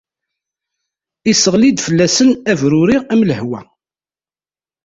Isseɣli-d fell-asen abruri am lehwa.